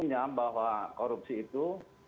intinya bahwa korupsi itu